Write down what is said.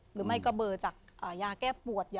หรือไม่ก็เบอร์จากยาแก้ปวด